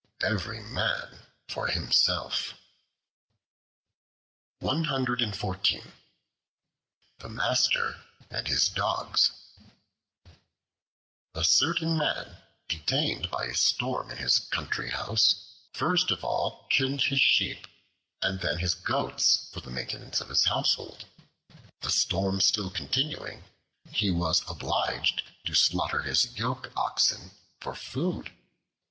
Every man for himself. The Master and His Dogs A CERTAIN MAN, detained by a storm in his country house, first of all killed his sheep, and then his goats, for the maintenance of his household. The storm still continuing, he was obliged to slaughter his yoke oxen for food.